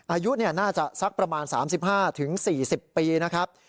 อายุน่าจะสักประมาณ๓๕๔๐ปีนะครับ